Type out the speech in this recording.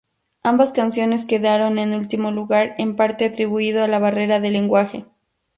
Ambas canciones quedaron en último lugar, en parte atribuido a la barrera del lenguaje.